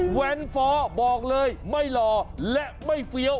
แว้นฟ้อบอกเลยไม่หล่อและไม่เฟี้ยว